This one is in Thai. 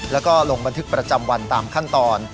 แล้วก็ลงบันทึกประจำวันตามขั้นตอน